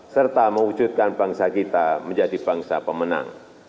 serta mewujudkan bangsa kita menjadi bangsa pemenang